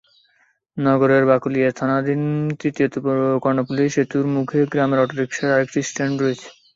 নগরের বাকলিয়া থানাধীন তৃতীয় কর্ণফুলী সেতুর মুখে গ্রামের অটোরিকশার আরেকটি স্ট্যান্ড রয়েছে।